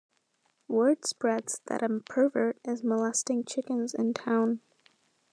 Word spreads that a pervert is molesting chickens in town.